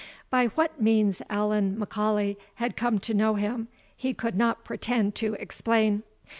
By what means Allan M'Aulay had come to know him, he could not pretend to explain.